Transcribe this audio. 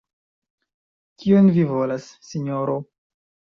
Kion vi volas, sinjoro?